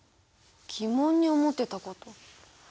疑問に思ってたこと？